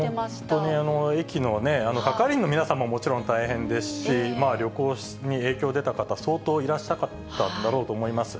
本当に駅の係員の皆さんももちろん、大変ですし、旅行に影響出た方、相当いらっしゃったんだろうと思います。